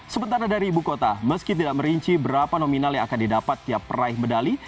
sementara dari ibu kota meski tidak merinci berapa nominal yang akan didapat tiap peraih medali